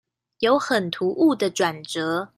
有很突兀的轉折